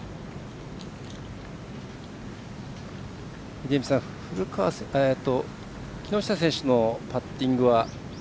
秀道さん木下選手のパッティングは？